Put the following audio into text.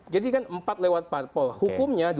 jadi kan empat lewat parpol hukumnya dua puluh dua puluh lima